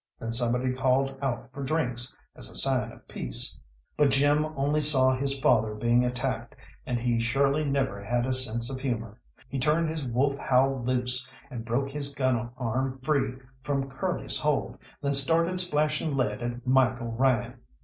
Then somebody called out for drinks as a sign of peace. But Jim only saw his father being attacked, and he surely never had a sense of humour. He turned his wolf howl loose, and broke his gun arm free from Curly's hold, then started splashing lead at Michael Ryan.